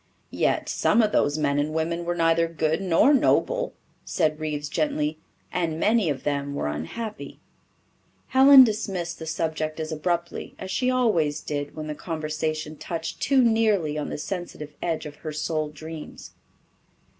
"Yet some of those men and women were neither good nor noble," said Reeves gently, "and many of them were unhappy." Helen dismissed the subject as abruptly as she always did when the conversation touched too nearly on the sensitive edge of her soul dreams.